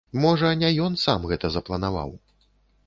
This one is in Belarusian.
Можа, не ён сам гэта запланаваў.